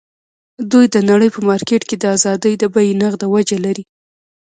دوی د نړۍ په مارکېټ کې د ازادۍ د بیې نغده وجه لري.